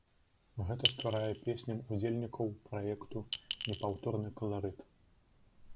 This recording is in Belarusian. Гэта стварае песням удзельнікаў праекту непаўторны каларыт.